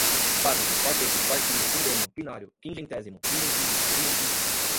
quádruplo, quarteto, quartilho, quindênio, quinário, quingentésimo, quinhentismo, quinhentistas